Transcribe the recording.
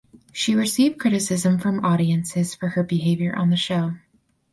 She received criticism from audiences for her behaviour on the show.